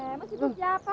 emang sih itu siapa